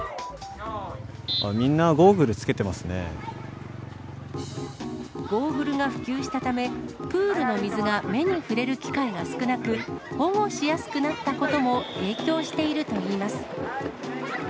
みんな、ゴーグルつけてますゴーグルが普及したため、プールの水が目に触れる機会が少なく、保護しやすくなったことも影響しているといいます。